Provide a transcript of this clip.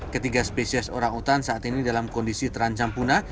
ketiga spesies orang utan saat ini dalam kondisi terancam punah